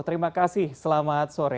terima kasih selamat sore